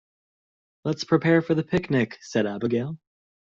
"Let's prepare for the picnic!", said Abigail.